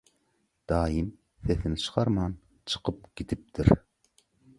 Daýym sesini çykarman çykyp gidipdir.